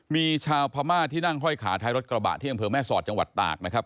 มีชาวพม่าที่นั่งห้อยขาท้ายรถกระบะที่อำเภอแม่สอดจังหวัดตากนะครับ